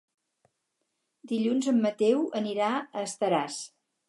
Dilluns en Mateu anirà a Estaràs.